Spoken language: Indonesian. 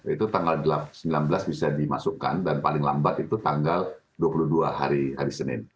itu tanggal sembilan belas bisa dimasukkan dan paling lambat itu tanggal dua puluh dua hari hari senin